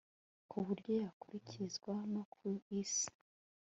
ku buryo yakurikizwa no ku isi